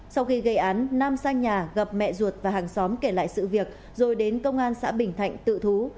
sau khi gây án nam sang nhà gặp mẹ ruột và hàng xóm kể lại sự việc rồi đến công an xã bình thạnh tự thú